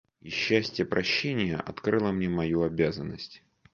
И счастье прощения открыло мне мою обязанность.